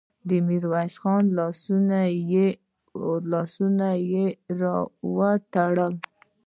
د ميرويس خان لاسونه يې ور وتړل.